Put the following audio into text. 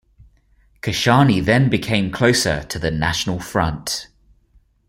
Kashani then became closer to the National Front.